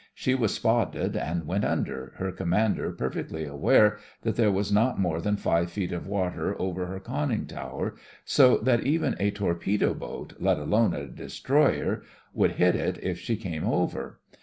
She was spotted, and went under, her commander per fectly aware that there was not more than five feet of water over her conning tower, so that even a torpedo boat, let alone a destroyer, would hit it if she came over.